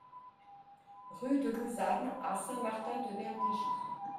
Rue de l'Ousane à Saint-Martin-de-Bernegoue